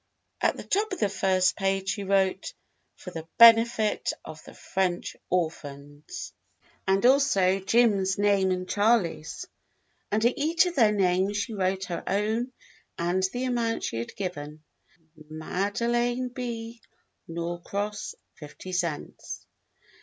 At the top of the first page she wrote, "For the Benefit of the French Orphans," and also Jim's 112 THE BLUE AUNT name and Charley's. Under each of their names she wrote her own and the amount she had given : "Made line B. Norcross, 50 cents."